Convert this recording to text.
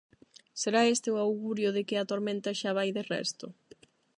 Será este o augurio de que a tormenta xa vai de resto?